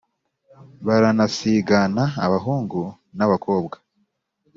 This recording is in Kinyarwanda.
Baranasigana abahungu, na bakobwa